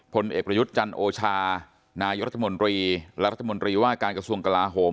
ผลเอกประยุทธ์จันโอชานายกรัฐมนตรีและรัฐมนตรีว่าการกระทรวงกลาโหม